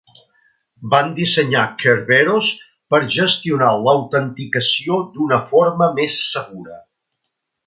Van dissenyar Kerberos per gestionar l'autenticació d'una forma més segura.